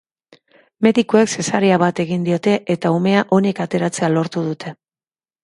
Medikuek zesarea bat egin diote eta umea onik ateratzea lortu dute.